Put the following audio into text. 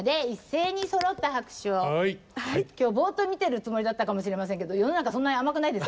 今日ぼっと見てるつもりだったかもしれませんけど世の中そんなに甘くないですからね。